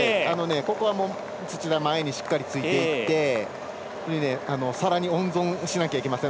ここは土田前にしっかりついていってさらに温存しなきゃいけません。